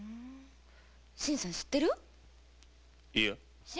新さん知ってる？いや。